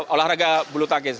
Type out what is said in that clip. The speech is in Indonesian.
olahraga bulu tangkis